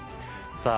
さあ